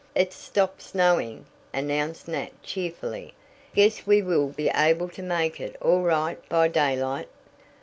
"It's stopped snowing," announced Nat cheerfully. "Guess we will be able to make it all right by daylight."